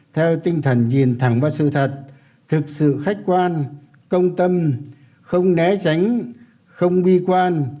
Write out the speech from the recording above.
theo tinh thần nhìn thẳng vào sự thật thực sự khách quan công tâm không né tránh không bi quan